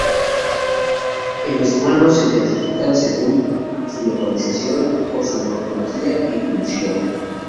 En los humanos se clasifican según su localización o por su morfología y función.